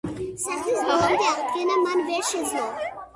სახლის ბოლომდე აღდგენა მან ვერ შეძლო.